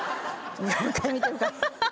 何回見てるか。